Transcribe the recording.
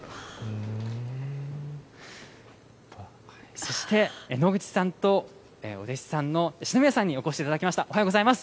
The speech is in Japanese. そして、農口さんとお弟子さんの四宮さんにお越しいただきました。